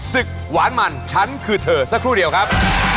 หวานมันฉันคือเธอสักครู่เดียวครับ